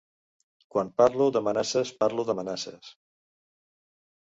Quan parlo d’amenaces parlo d’amenaces.